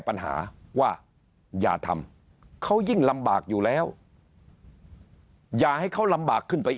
ปัญหาว่าอย่าทำเขายิ่งลำบากอยู่แล้วอย่าให้เขาลำบากขึ้นไป